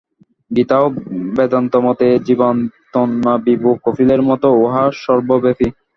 গীতা ও বেদান্তমতে এই জীবাত্মা বিভু, কপিলের মতেও ইহা সর্বব্যাপী।